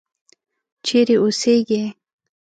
چیرې اوسیږې.